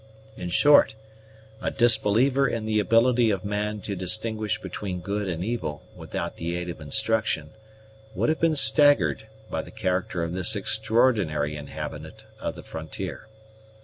In short, a disbeliever in the ability of man to distinguish between good and evil without the aid of instruction, would have been staggered by the character of this extraordinary inhabitant of the frontier.